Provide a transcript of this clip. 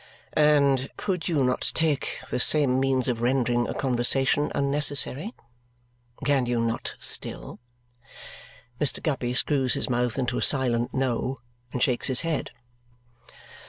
"And could you not take the same means of rendering a Conversation unnecessary? Can you not still?" Mr. Guppy screws his mouth into a silent "No!" and shakes his head.